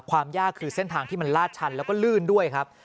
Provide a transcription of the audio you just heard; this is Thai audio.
ความยากคือเส้นทางที่มันลาดชันแล้วก็ลื่นด้วยครับ